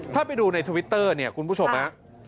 ถ้าไปดูในทวิตเตอร์เนี่ยคุณผู้ชมฮะ